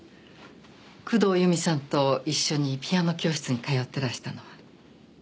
工藤由美さんと一緒にピアノ教室に通ってらしたのは。